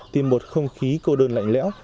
tìm một không khí cô đơn lạnh lẽo